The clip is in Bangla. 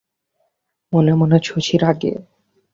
মনে মনে শশী রাগে।